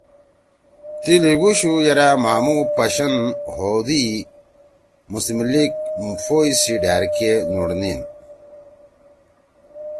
تی لیِگوشُو یِرأ مھامُو پشَن ہودُوئی مسلم لیگ فوج سی ڈھأر کے نُھوڑنین